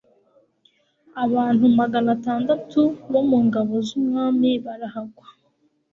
abantu magana atandatu bo mu ngabo z'umwami barahagwa